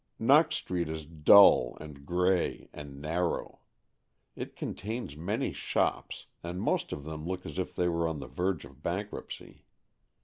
Knox Street is dull, and grey, and narrow. It contains many shops, and most of them look as if they were on the verge of bank ruptcy.